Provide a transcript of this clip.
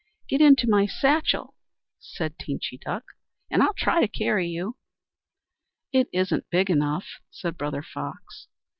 "Get into my satchel," said Teenchy Duck, "and I'll try to carry you." "It isn't big enough," said Brother Fox.